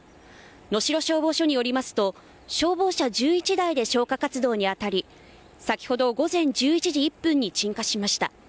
能代消防署によりますと消防車１１台で消火活動に当たり先ほど午前１１時１分に鎮火しました。